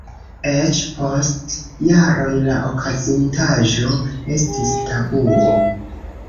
Eĉ, post jaroj la okazintaĵo estis tabuo.